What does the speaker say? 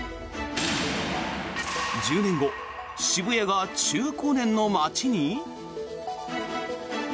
１０年後、渋谷が中高年の街に？